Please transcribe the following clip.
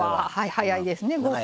早いですね５分。